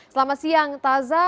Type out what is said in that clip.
selamat siang taza